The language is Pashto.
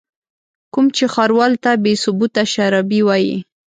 کوم چې ښاروال ته بې ثبوته شرابي وايي.